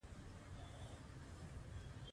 اورنګزېب هم خپل ورور مراد هلته بندي کړ.